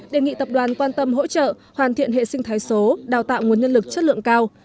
đề nghị tập đoàn quan tâm hỗ trợ hoàn thiện hệ sinh thái số đào tạo nguồn nhân lực chất lượng cao